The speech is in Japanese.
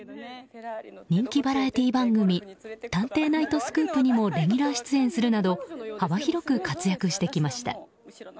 人気バラエティー番組「探偵！ナイトスクープ」にもレギュラー出演するなど幅広く活躍してきました。